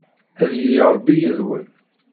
Ad yili Ṛebbi yid-wen.